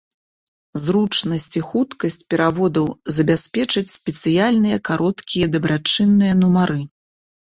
Зручнасць і хуткасць пераводаў забяспечаць спецыяльныя кароткія дабрачынныя нумары.